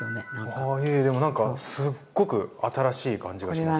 あいえでもなんかすっごく新しい感じがします。